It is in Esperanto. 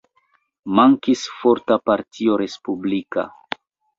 Mankis forta partio respublika.